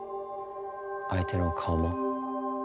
相手の顔も？